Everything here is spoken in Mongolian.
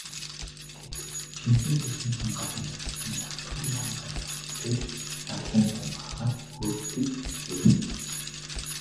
Тэд, шинэхэн байшингийн гадна зассан уртхан бандан сандал дээр нарлан сууцгаагаад хөөрөлдөж эхлэв.